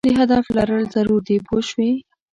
د هدف لرل ضرور دي پوه شوې!.